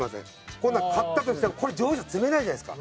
こんなの買ったとしてもこれ乗用車積めないじゃないですか。